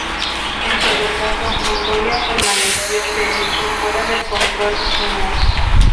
En todo caso, Mongolia permaneció de hecho fuera del control chino.